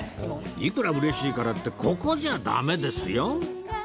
いくらうれしいからってここじゃダメですよ